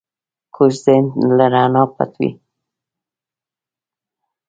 کوږ ذهن له رڼا پټ وي